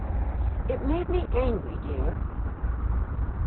It made me angry, dear.